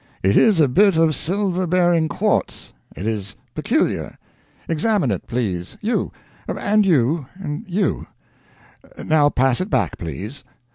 It is a bit of silver bearing quartz. It is peculiar. Examine it, please you and you and you. Now pass it back, please.